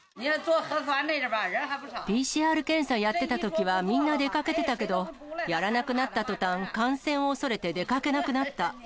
ＰＣＲ検査やってたときは、みんな出かけてたけど、やらなくなったとたん、感染を恐れて出かけなくなった。